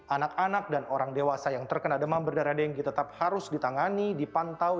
anak anak dan orang dewasa yang terkena demam berdarah dengki tetap harus ditangani dipantau